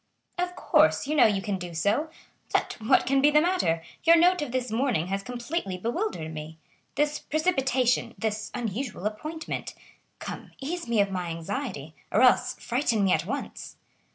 "Of course, you know you can do so. But what can be the matter? Your note of this morning has completely bewildered me. This precipitation—this unusual appointment. Come, ease me of my anxiety, or else frighten me at once."